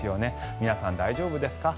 皆さん大丈夫ですか。